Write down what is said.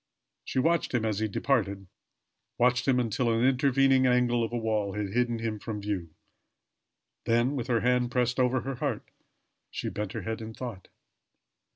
She watched him as he departed watched him until an intervening angle of a wall had hidden him from view. Then with her hand pressed over her heart, she bent her head in thought.